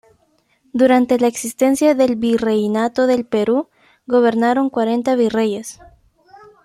Durante la existencia del virreinato del Perú gobernaron cuarenta virreyes.